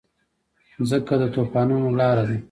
مځکه د طوفانونو لاره ده.